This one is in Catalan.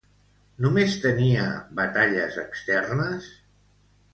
Només tenia batalles externes?